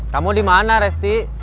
kamu dimana resti